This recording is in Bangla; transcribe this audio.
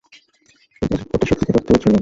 ওটা সত্যিকার অর্থে ও ছিল না।